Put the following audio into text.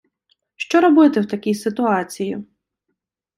Що робити в такій ситуації?